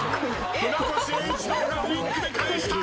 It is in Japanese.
船越英一郎がウインクで返した！